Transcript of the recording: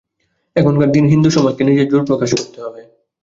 এখনকার দিনে হিন্দুসমাজকে নিজের জোর প্রকাশ করতে হবে।